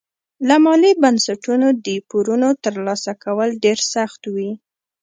له مالي بنسټونو د پورونو ترلاسه کول ډېر سخت وي.